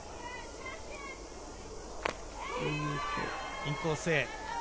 インコースへ。